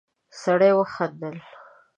سړی وخندل.